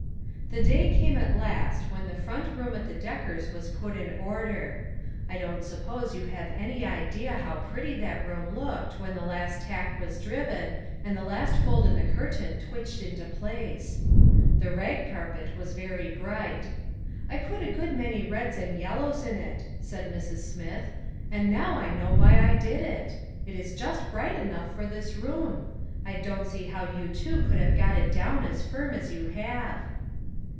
r MHE day came at last when the front room at the Deckers was put in order. I don't suppose you have any idea how pretty that room looked when the last tack was driven, and the last fold in the curtain twitched into place ! The rag carpet was very bright. " I put a good many red and yellows in it," said Mrs. Smith, "and now I know why I did it. It js just bright enough for this room. I don't see how you two could have got it down as firm as you have."